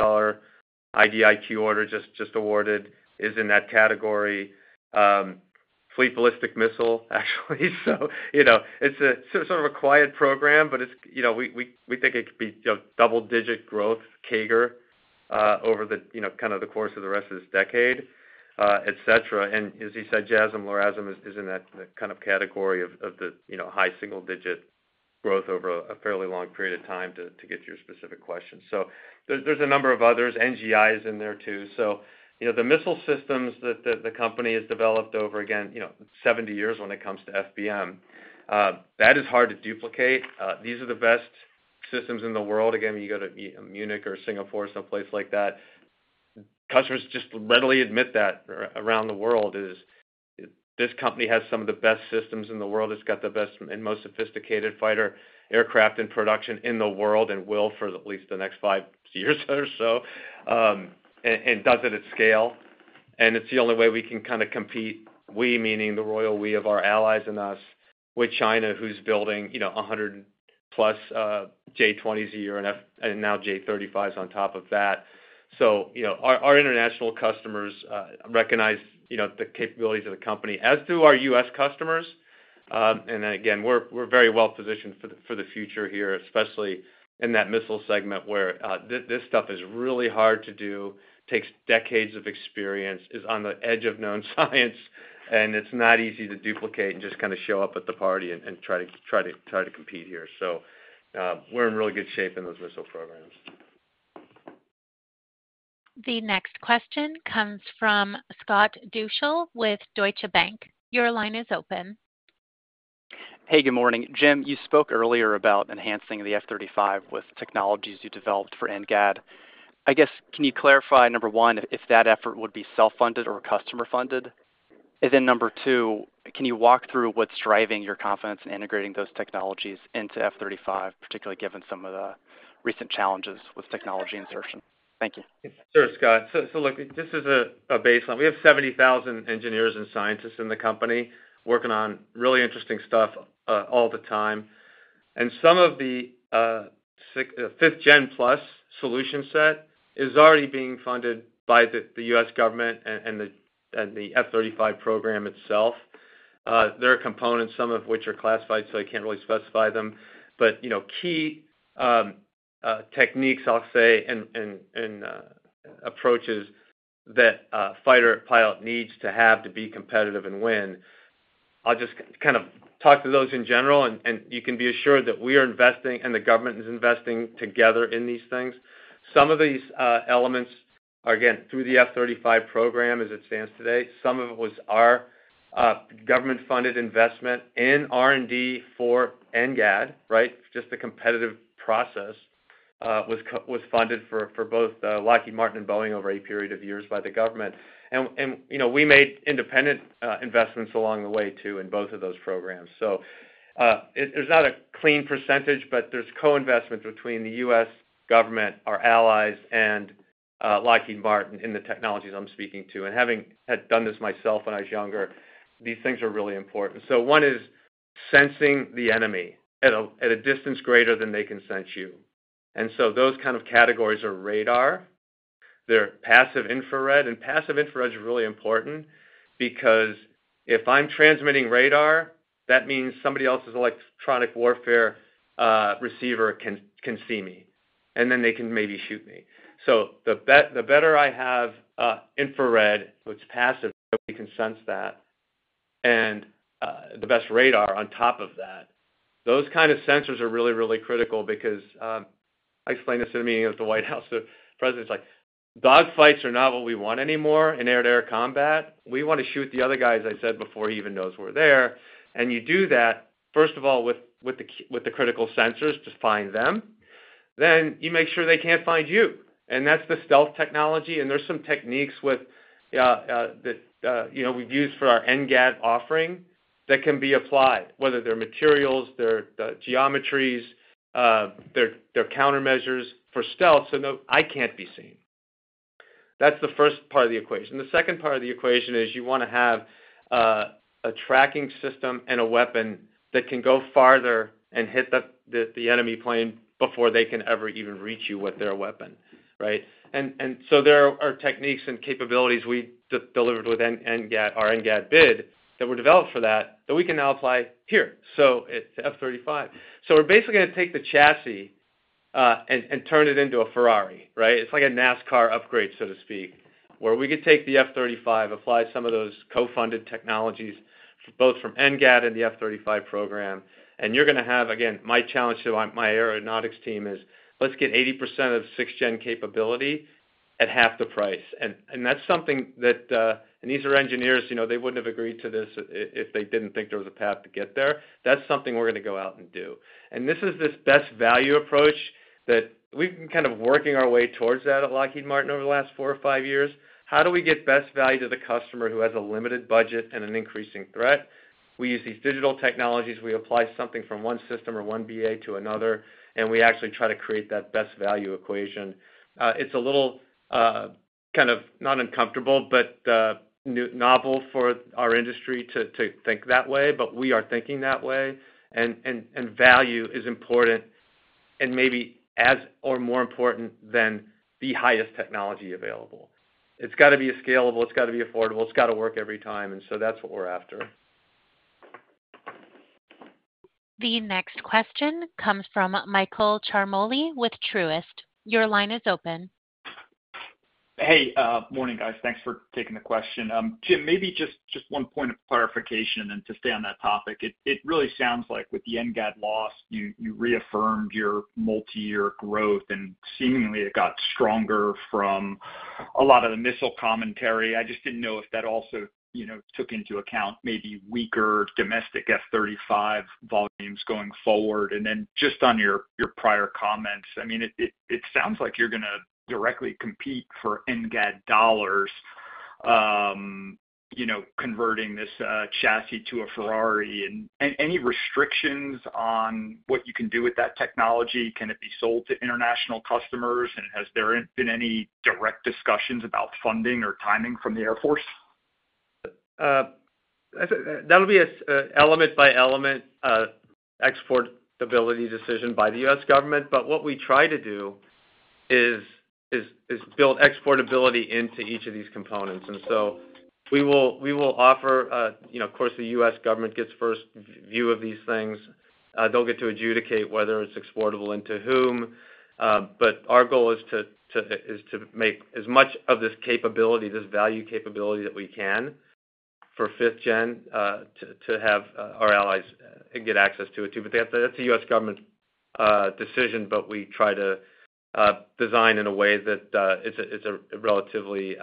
ID/IQ order just awarded, is in that category. Fleet Ballistic Missile, actually. It's sort of a quiet program, but we think it could be double-digit growth, CAGR, over kind of the course of the rest of this decade, etc. As he said, JASSM, LRASM is in that kind of category of the high single-digit growth over a fairly long period of time to get to your specific question. There's a number of others. NGI is in there too. The missile systems that the company has developed over, again, 70 years when it comes to FBM, that is hard to duplicate. These are the best systems in the world. You go to Munich or Singapore or someplace like that. Customers just readily admit that around the world this company has some of the best systems in the world. It's got the best and most sophisticated fighter aircraft in production in the world and will for at least the next five years or so. It does it at scale. It's the only way we can kind of compete, we meaning the royal we of our allies and us with China who's building 100-plus J-20s a year and now J-35s on top of that. Our international customers recognize the capabilities of the company as do our U.S. customers. We are very well-positioned for the future here, especially in that missile segment where this stuff is really hard to do, takes decades of experience, is on the edge of known science, and it is not easy to duplicate and just kind of show up at the party and try to compete here. We are in really good shape in those missile programs. The next question comes from Scott Deuschle with Deutsche Bank. Your line is open. Hey, good morning. Jim, you spoke earlier about enhancing the F-35 with technologies you developed for NGAD. I guess, can you clarify, number one, if that effort would be self-funded or customer-funded? Number two, can you walk through what's driving your confidence in integrating those technologies into F-35, particularly given some of the recent challenges with technology insertion? Thank you. Sure, Scott. Look, this is a baseline. We have 70,000 Engineers and Scientists in the company working on really interesting stuff all the time. Some of the 5th-gen plus solution set is already being funded by the U.S. government and the F-35 program itself. There are components, some of which are classified, so I can't really specify them. Key techniques, I'll say, and approaches that a fighter pilot needs to have to be competitive and win, I'll just kind of talk to those in general. You can be assured that we are investing and the government is investing together in these things. Some of these elements are, again, through the F-35 program as it stands today. Some of it was our government-funded investment in R&D for NGAD, right? Just the competitive process was funded for both Lockheed Martin and Boeing over a period of years by the government. We made independent investments along the way too in both of those programs. There is not a clean percentage, but there is co-investment between the U.S. government, our allies, and Lockheed Martin in the technologies I am speaking to. Having done this myself when I was younger, these things are really important. One is sensing the enemy at a distance greater than they can sense you. Those kinds of categories are radar. They are passive infrared. Passive infrared is really important because if I am transmitting radar, that means somebody else's electronic warfare receiver can see me, and then they can maybe shoot me. The better I have infrared, which is passive, that we can sense that, and the best radar on top of that, those kind of sensors are really, really critical because I explained this at a meeting at the White House. The President's like, "Dogfights are not what we want anymore in air-to-air combat. We want to shoot the other guys," I said before he even knows we're there. You do that, first of all, with the critical sensors to find them. You make sure they can't find you. That's the stealth technology. There are some techniques that we've used for our NGAD offering that can be applied, whether they're materials, they're geometries, they're countermeasures for stealth so I can't be seen. That's the first part of the equation. The second part of the equation is you want to have a tracking system and a weapon that can go farther and hit the enemy plane before they can ever even reach you with their weapon, right? There are techniques and capabilities we delivered with our NGAD bid that were developed for that that we can now apply here. It is F-35. We are basically going to take the chassis and turn it into a Ferrari, right? It is like a NASCAR upgrade, so to speak, where we could take the F-35, apply some of those co-funded technologies both from NGAD and the F-35 program. You're going to have, again, my challenge to my aeronautics team is, "Let's get 80% of sixth-gen capability at half the price." That's something that, and these are engineers, they wouldn't have agreed to this if they didn't think there was a path to get there. That's something we're going to go out and do. This is this best value approach that we've been kind of working our way towards at Lockheed Martin over the last four or five years. How do we get best value to the customer who has a limited budget and an increasing threat? We use these digital technologies. We apply something from one system or one BA to another, and we actually try to create that best value equation. It's a little kind of not uncomfortable, but novel for our industry to think that way. We are thinking that way. Value is important and maybe as or more important than the highest technology available. It has got to be scalable. It has got to be affordable. It has got to work every time. That is what we are after. The next question comes from Michael Ciarmoli with Truist. Your line is open. Hey, morning, guys. Thanks for taking the question. Jim, maybe just one point of clarification and to stay on that topic. It really sounds like with the NGAD loss, you reaffirmed your multi-year growth, and seemingly it got stronger from a lot of the missile commentary. I just didn't know if that also took into account maybe weaker domestic F-35 volumes going forward. I mean, it sounds like you're going to directly compete for NGAD dollars converting this chassis to a Ferrari. Any restrictions on what you can do with that technology? Can it be sold to international customers? Has there been any direct discussions about funding or timing from the Air Force? That'll be an element-by-element exportability decision by the U.S. government. What we try to do is build exportability into each of these components. We will offer, of course, the U.S. government gets first view of these things. They'll get to adjudicate whether it's exportable and to whom. Our goal is to make as much of this capability, this value capability that we can for 5th-gen to have our allies get access to it too. That's a U.S. government decision, but we try to design in a way that it's a relatively,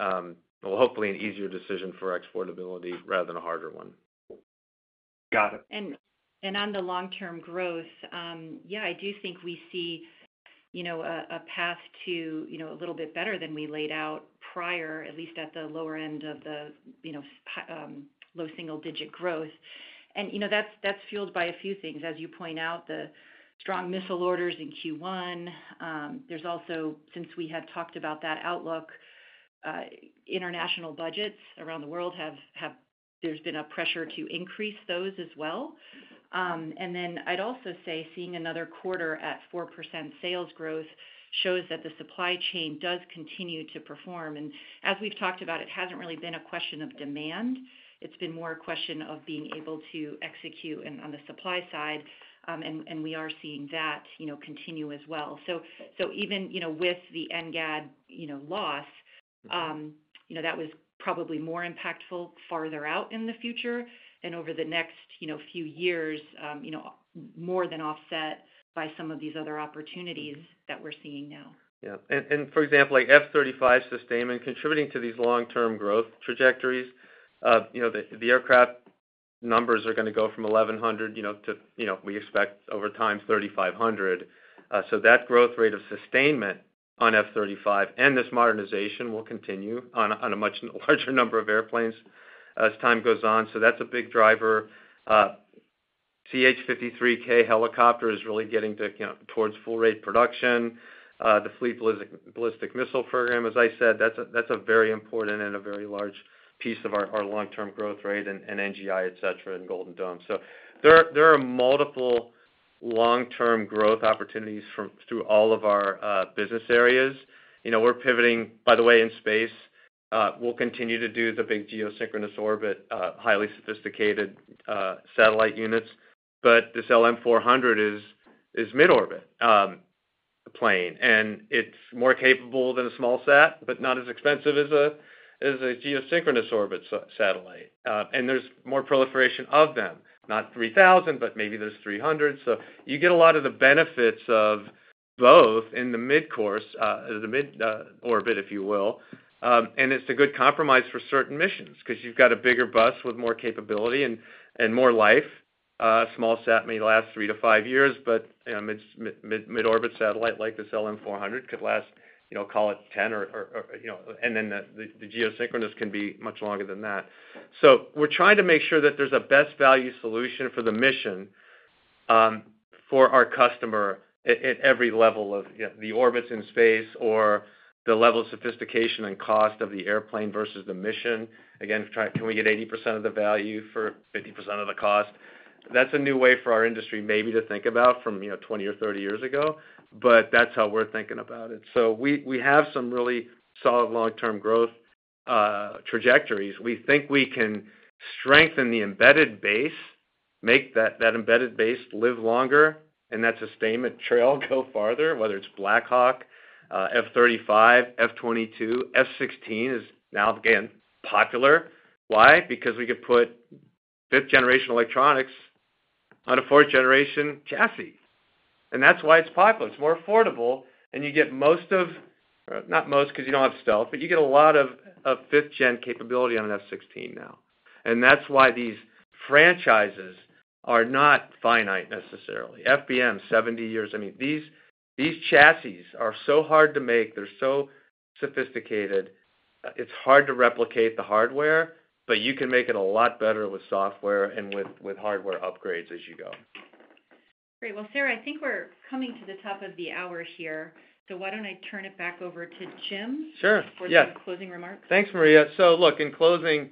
hopefully an easier decision for exportability rather than a harder one. Got it. On the long-term growth, yeah, I do think we see a path to a little bit better than we laid out prior, at least at the lower end of the low single-digit growth. That's fueled by a few things, as you point out, the strong missile orders in Q1. Also, since we had talked about that outlook, international budgets around the world have—there's been a pressure to increase those as well. I'd also say seeing another quarter at 4% sales growth shows that the supply chain does continue to perform. As we've talked about, it hasn't really been a question of demand. It's been more a question of being able to execute on the supply side. We are seeing that continue as well. Even with the NGAD loss, that was probably more impactful farther out in the future and over the next few years, more than offset by some of these other opportunities that we're seeing now. Yeah. For example, F-35 sustainment contributing to these long-term growth trajectories. The aircraft numbers are going to go from 1,100 to, we expect over time, 3,500. That growth rate of sustainment on F-35 and this modernization will continue on a much larger number of airplanes as time goes on. That is a big driver. CH-53K helicopter is really getting towards full-rate production. The Fleet Ballistic Missile Program, as I said, that is a very important and a very large piece of our long-term growth rate and NGI, etc., and Golden Dome. There are multiple long-term growth opportunities through all of our business areas. We are pivoting, by the way, in space. We will continue to do the big geosynchronous orbit, highly sophisticated satellite units. This LM 400 is mid-orbit plane. It is more capable than a small SAT, but not as expensive as a geosynchronous orbit satellite. There is more proliferation of them, not 3,000, but maybe there are 300. You get a lot of the benefits of both in the mid-course, the mid-orbit, if you will. It is a good compromise for certain missions because you have a bigger bus with more capability and more life. A small SAT may last three to five years, but a mid-orbit satellite like this LM 400 could last, call it 10, and then the geosynchronous can be much longer than that. We are trying to make sure that there is a best value solution for the mission for our customer at every level of the orbits in space or the level of sophistication and cost of the airplane versus the mission. Again, can we get 80% of the value for 50% of the cost? That's a new way for our industry maybe to think about from 20 or 30 years ago, but that's how we're thinking about it. We have some really solid long-term growth trajectories. We think we can strengthen the embedded base, make that embedded base live longer, and that sustainment trail go farther, whether it's Blackhawk, F-35, F-22, F-16 is now, again, popular. Why? Because we could put fifth-generation electronics on a fourth-generation chassis. That's why it's popular. It's more affordable. You get most of—not most because you don't have stealth, but you get a lot of 5th-gen capability on an F-16 now. That's why these franchises are not finite necessarily. FBM, 70 years. I mean, these chassis are so hard to make. They're so sophisticated. It's hard to replicate the hardware, but you can make it a lot better with software and with hardware upgrades as you go. Great. Sarah, I think we're coming to the top of the hour here. Why don't I turn it back over to Jim for some closing remarks? Sure. Yeah. Thanks, Maria. In closing,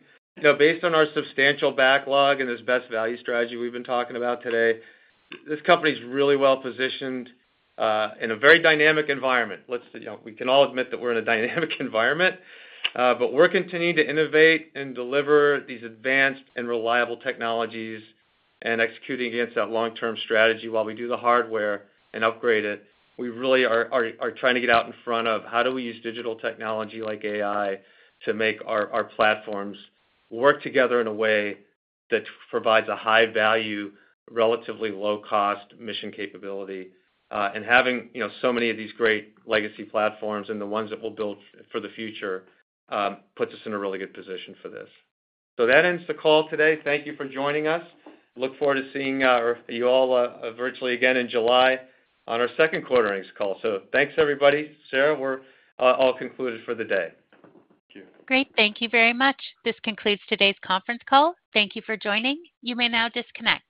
based on our substantial backlog and this best value strategy we've been talking about today, this company is really well positioned in a very dynamic environment. We can all admit that we're in a dynamic environment, but we're continuing to innovate and deliver these advanced and reliable technologies and executing against that long-term strategy while we do the hardware and upgrade it. We really are trying to get out in front of how do we use digital technology like AI to make our platforms work together in a way that provides a high-value, relatively low-cost mission capability. Having so many of these great legacy platforms and the ones that we'll build for the future puts us in a really good position for this. That ends the call today. Thank you for joining us. Look forward to seeing you all virtually again in July on our second quarter's call. Thanks, everybody. Sarah, we're all concluded for the day. Thank you. Great. Thank you very much. This concludes today's conference call. Thank you for joining. You may now disconnect.